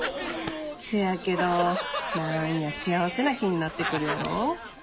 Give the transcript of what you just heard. せやけど何や幸せな気になってくるやろ？